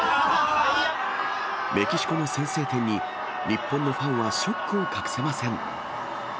メキシコの先制点に、日本のファンはショックを隠せません。